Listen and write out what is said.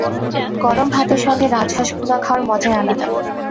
গরম ভাতের সঙ্গে রাজহাঁস ভুনা খাওয়ার মজাই আলাদা।